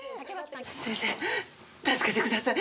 先生、助けて下さい。